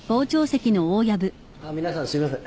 あっ皆さんすいません。